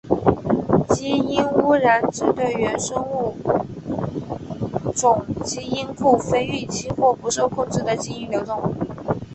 基因污染指对原生物种基因库非预期或不受控制的基因流动。